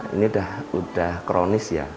ini sudah kronis ya